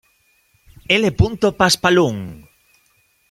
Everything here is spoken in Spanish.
I. Paspalum.